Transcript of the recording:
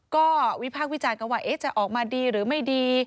ก็วิพากษ์วิจารณ์กันว่าจะออกมาดีหรือไม่ดี